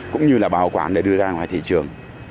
cũng như là bảo quản để đưa ra ngoài thị trường